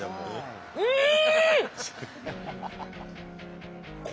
うん！